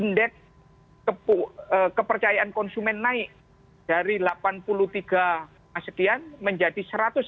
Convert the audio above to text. indeks kepercayaan konsumen naik dari delapan puluh tiga sekian menjadi satu ratus enam puluh